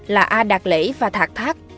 là a đạt lễ và thạc thác